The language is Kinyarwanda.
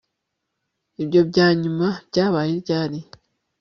ibyo byanyuma byabaye ryari